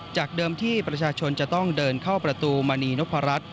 จากเดิมที่ประชาชนจะต้องเดินเข้าประตูมณีนพรัช